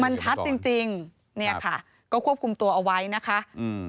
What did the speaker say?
มันชัดจริงจริงเนี่ยค่ะก็ควบคุมตัวเอาไว้นะคะอืม